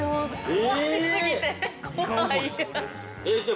◆詳し過ぎて怖い。